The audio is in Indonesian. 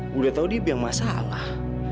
gue udah tahu dia biar gak masalah